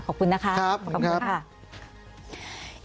ขอบคุณนะคะขอบคุณค่ะขอบคุณค่ะขอบคุณค่ะ